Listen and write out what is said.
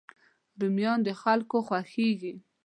رومیان د خلکو خوښېږي